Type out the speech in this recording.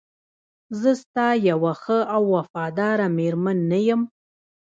زه ستا یوه ښه او وفاداره میرمن نه یم؟